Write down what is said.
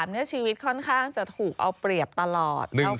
เนื้อชีวิตค่อนข้างจะถูกเอาเปรียบตลอด